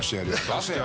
出せよ。